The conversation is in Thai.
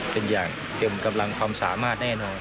เป็นอย่างเต็มกำลังความสามารถแน่นอน